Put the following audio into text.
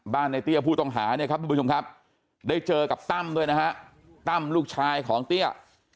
ในเตี้ยผู้ต้องหาเนี่ยครับทุกผู้ชมครับได้เจอกับตั้มด้วยนะฮะตั้มลูกชายของเตี้ย